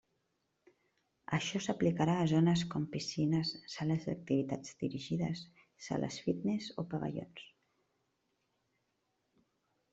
Això s'aplicarà a zones com piscines, sales d'activitats dirigides, sales fitness o pavellons.